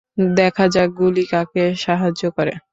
দেখা যাক, গুলি কাকে সাহায্য করে।